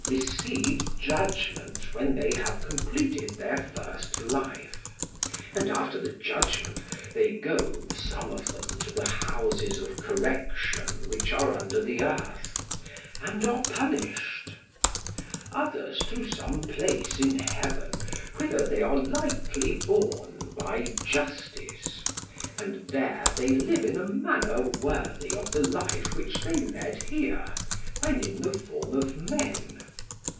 receive judgment when they have completed their first life, and after the judgment they go, some of them to the houses of correction which are under the earth, and are punished; others to some place in heaven whither they are lightly borne by justice, and there they live in a manner worthy of the life which they led here when in the form of men.